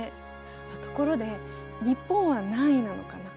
ところで日本は何位なのかな？